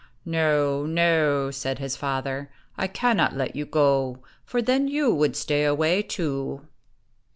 "No, no," said his father; "I cannot let you go, for then you would stay away too."